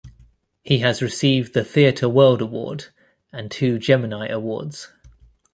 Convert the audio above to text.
He has received Theatre World Award and two Gemini Awards.